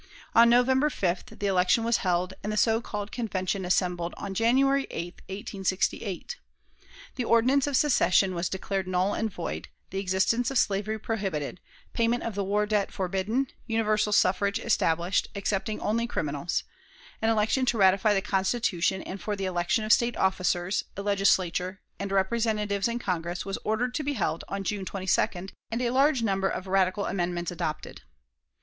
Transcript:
On November 5th the election was held, and the so called Convention assembled on January 8, 1868. The ordinance of secession was declared null and void; the existence of slavery prohibited; payment of the war debt forbidden; universal suffrage established, excepting only criminals; an election to ratify the Constitution and for the election of State officers, a Legislature, and Representatives in Congress, was ordered to be held on June 22d, and a large number of radical amendments adopted.